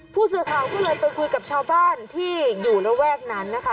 ผู้สื่อข่าวก็เลยไปคุยกับชาวบ้านที่อยู่ระแวกนั้นนะคะ